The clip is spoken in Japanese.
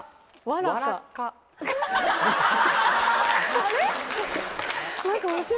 「わらか」